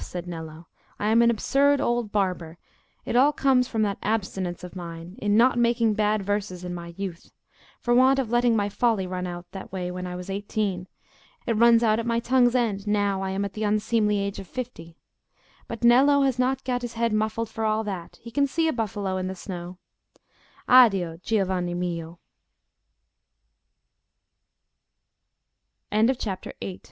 said Nello. "I am an absurd old barber. It all comes from that abstinence of mine, in not making bad verses in my youth: for want of letting my folly run out that way when I was eighteen, it runs out at my tongue's end now I am at the unseemly age of fifty. But Nello has not got his head muffled for all that; he can see a buffalo in the snow. Addio, giovane mio." CHAPTER IX.